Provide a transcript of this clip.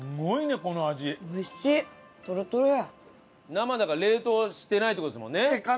生だから冷凍してないって事ですもんね。